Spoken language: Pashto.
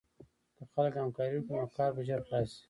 که خلک همکاري وکړي، نو کار به ژر خلاص شي.